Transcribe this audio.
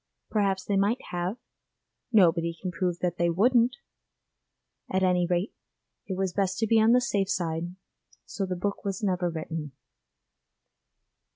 Perhaps they might have; nobody can prove that they wouldn't. At any rate, it was best to be on the safe side, so the book was never written.